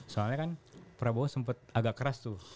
soalnya kan prabowo sempat agak keras tuh